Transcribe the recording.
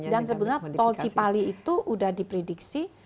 dan sebenarnya tol cipali itu sudah diprediksi